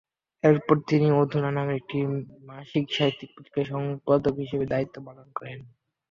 এরপর তিনি "অধুনা" নামের একটি মাসিক সাহিত্য পত্রিকার সম্পাদক হিসেবে দায়িত্ব পালন করেন।